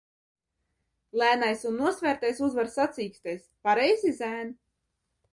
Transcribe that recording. Lēnais un nosvērtais uzvar sacīkstēs, pareizi, zēn?